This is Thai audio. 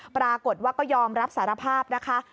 ปรากฏว่าก็ยอมรับสารภาพนะคะ